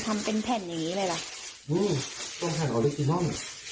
ทำเป็นแผ่นอย่างงี้เลยล่ะอืมส้มแผ่นออเล็กซีม่อน